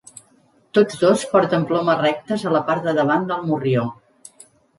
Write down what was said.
Tots dos porten plomes rectes a la part del davant del morrió.